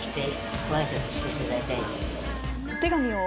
お手紙を。